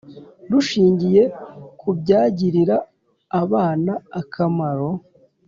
rushingiye ku byagirira abana akamaro